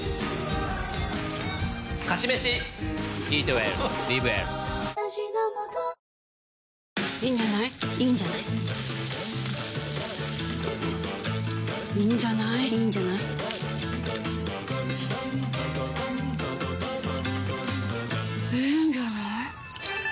「勝ち飯」いいんじゃない？いいんじゃない？いいんじゃない？いいんじゃない？いいんじゃない。